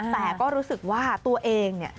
แต่ก็รู้สึกว่าตัวเอง